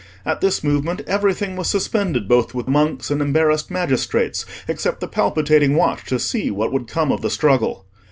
At this movement, everything was suspended both with monks and embarrassed magistrates except the palpitating watch to see what would come of the struggle.